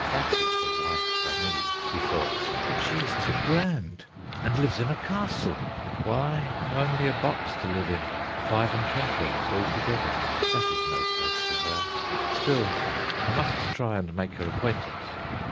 "That is the wife for me," he thought; "but she is too grand, and lives in a castle, while I have only a box to live in, five and twenty of us altogether, that is no place for her. Still I must try and make her acquaintance."